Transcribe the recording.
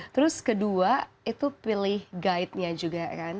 terus kedua itu pilih guide nya juga kan